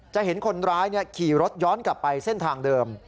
จะเห็นคนร้ายขี่รถย้อนกลับไปเส้นทางเดิม